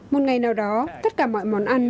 một ngày nào đó tất cả mọi món ăn